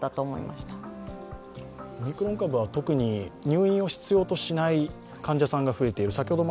オミクロン株は特に入院を必要としない患者さんが増えている。